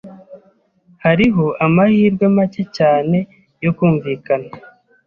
Hariho amahirwe make cyane yo kumvikana.